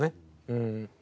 うん。